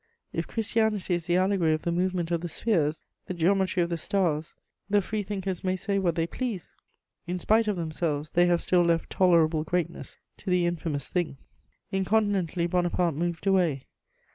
If Christianity is the allegory of the movement of the spheres, the geometry of the stars, the free thinkers may say what they please: in spite of themselves, they have still left tolerable greatness to 'the infamous thing.'" Incontinently Bonaparte moved away.